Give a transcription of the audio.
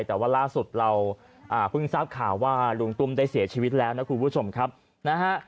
แต่ว่าล่าสุดเราเพิ่งทราบข่าวว่าลุงตุ้มได้เสียชีวิตแล้วนะคุณผู้ชมครับนะฮะ